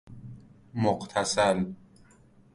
مغتسل